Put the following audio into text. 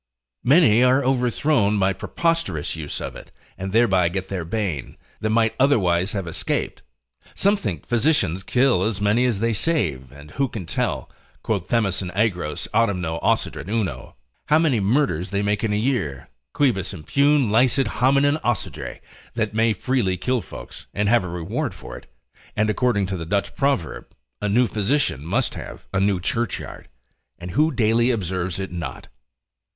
Many are overthrown by preposterous use of it, and thereby get their bane, that might otherwise have escaped: some think physicians kill as many as they save, and who can tell, Quot Themison aegros autumno occiderit uno? How many murders they make in a year, quibus impune licet hominem occidere, that may freely kill folks, and have a reward for it, and according to the Dutch proverb, a new physician must have a new churchyard; and who daily observes it not?